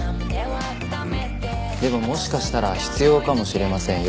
でももしかしたら必要かもしれませんよ。